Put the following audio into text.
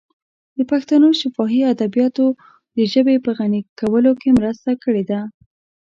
د پښتنو شفاهي ادبیاتو د ژبې په غني کولو کې مرسته کړې ده.